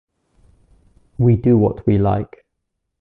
We do what we like.